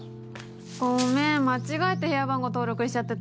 ごめん間違えて部屋番号登録しちゃってた。